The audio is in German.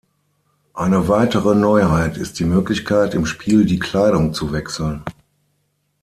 Eine weitere Neuheit ist die Möglichkeit, im Spiel die Kleidung zu wechseln.